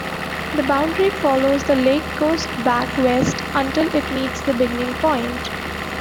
The boundary follows the lake coast back west until it meets the beginning point.